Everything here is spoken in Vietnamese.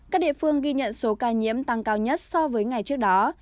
các địa phương ghi nhận số ca nhiễm tăng cao nhất so với ngày trước đó